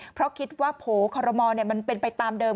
เพราะคิดว่าโผล่คอรมอลมันเป็นไปตามเดิม